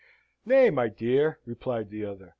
"Nay, my dear," replied the other.